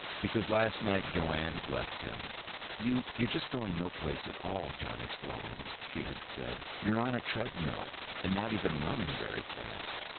Because last night Jo Anne had left him. "You you're just going no place at all, Johnny Sloman," she had said. "You're on a treadmill and not even running very fast."